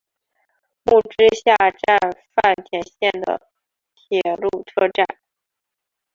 木之下站饭田线的铁路车站。